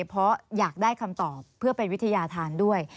เพราะอยากได้คำตอบเพื่อเป็นวิทยาธารด้วย